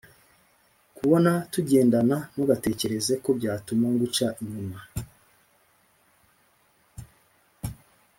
kubona tugendana ntugatekerezeko byatuma nguca inyuma